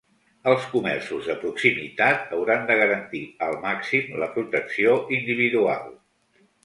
Els comerços de proximitat hauran de garantir al màxim la protecció individual.